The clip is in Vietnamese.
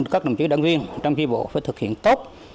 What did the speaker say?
các đồng chí đồng viên trong khi bộ phải thực hiện tốt